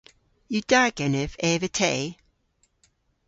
Yw da genev eva te?